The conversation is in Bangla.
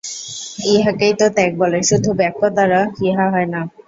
ইহাকেই তো ত্যাগ বলে, শুধু বাক্যদ্বারা ইহা হয় না।